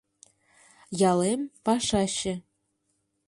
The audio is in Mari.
Ялем — пашаче.